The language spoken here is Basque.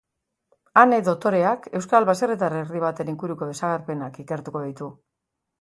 Ane doktoreak euskal baserritar herri baten inguruko desagerpenak ikertuko ditu.